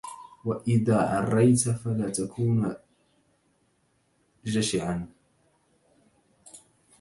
وإذا عريت فلا تكن جشعا